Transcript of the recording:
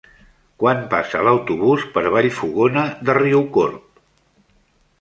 Quan passa l'autobús per Vallfogona de Riucorb?